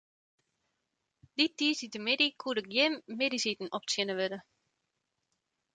Dy tiisdeitemiddeis koe der gjin middeisiten optsjinne wurde.